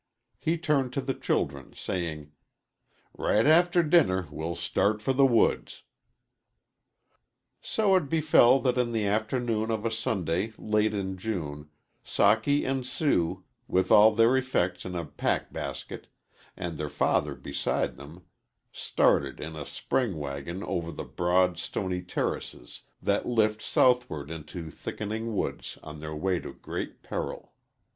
He turned to the children, saying, "Right after dinner we'll start for the woods." So it befell that in the afternoon of a Sunday late in June, Socky and Sue, with all their effects in a pack basket, and their father beside them, started in a spring wagon over the broad, stony terraces that lift southward into thickening woods, on their way to great peril.